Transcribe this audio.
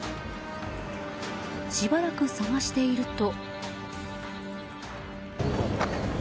しばらく探していると。